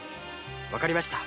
わかりました。